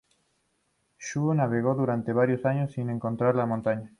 Xu navegó durante varios años sin encontrar la montaña.